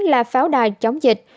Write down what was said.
là pháo đài chống dịch